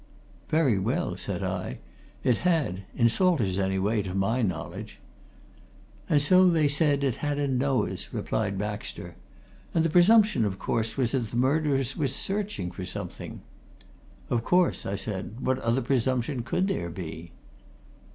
"Very well," said I. "It had in Salter's, anyway, to my knowledge." "And so, they said, it had in Noah's," replied Baxter. "And the presumption, of course, was that the murderers were searching for something?" "Of course," I said. "What other presumption could there be?"